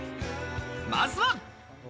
まずは。